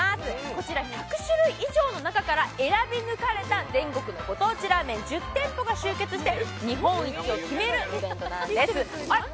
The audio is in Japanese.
こちら１００種類以上の中から選び抜かれた、全国のご当地ラーメン１０店舗が集結して日本一を決めるイベントです。